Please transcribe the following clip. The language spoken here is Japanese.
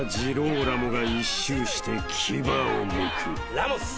ラモス。